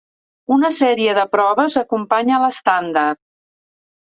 Una sèrie de proves acompanya l'estàndard.